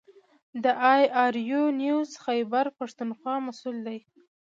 د اې ار یو نیوز خیبر پښتونخوا مسوول و.